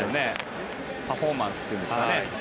パフォーマンスというんですかね。